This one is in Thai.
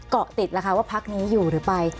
เกาะติดนะคะว่าพรรคนี้อยู่หรือไป